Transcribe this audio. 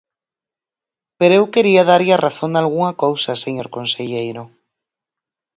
Pero eu quería darlle a razón nalgunha cousa, señor conselleiro.